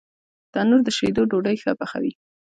تنور د شیدو ډوډۍ ښه پخوي